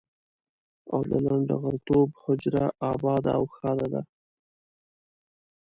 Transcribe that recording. او د لنډه غرتوب حجره اباده او ښاده ده.